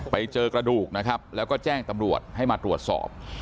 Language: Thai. ไปเจอกระดูกนะครับแล้วก็แจ้งตำรวจให้มาตรวจสอบ